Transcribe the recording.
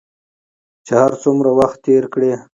چې هر څومره وخت تېر کړې